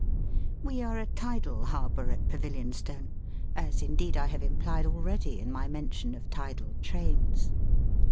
We are a tidal harbour at Pavilionstone, as indeed I have implied already in my mention of tidal trains.